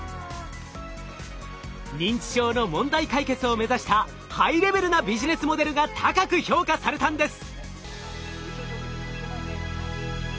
認知症の問題解決を目指したハイレベルなビジネスモデルが高く評価されたんです。